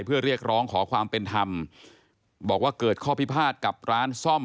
เพื่อเรียกร้องขอความเป็นธรรมบอกว่าเกิดข้อพิพาทกับร้านซ่อม